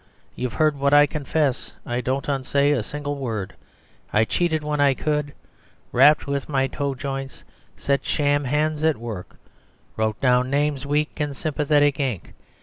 You've heard what I confess: I don't unsay A single word: I cheated when I could, Rapped with my toe joints, set sham hands at work, Wrote down names weak in sympathetic ink.